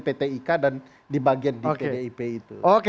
pt ika dan di bagian di pt dip itu oke